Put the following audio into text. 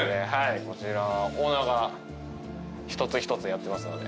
こちらはオーナーが一つ一つやってますので。